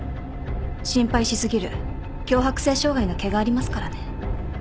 心配し過ぎる強迫性障害の気がありますからね。